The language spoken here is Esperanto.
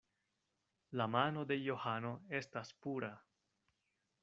La mano de Johano estas pura.